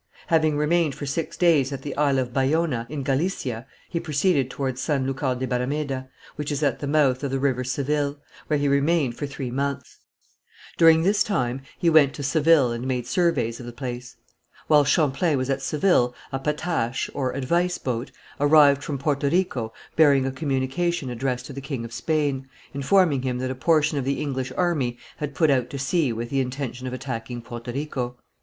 Having remained for six days at the Isle of Bayona, in Galicia, he proceeded towards San Lucar de Barameda, which is at the mouth of the river Seville, where he remained for three months. During this time he went to Seville and made surveys of the place. While Champlain was at Seville, a patache, or advice boat, arrived from Porto Rico bearing a communication addressed to the king of Spain, informing him that a portion of the English army had put out to sea with the intention of attacking Porto Rico.